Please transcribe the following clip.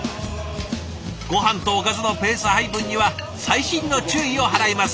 ごはんとおかずのペース配分には細心の注意を払います。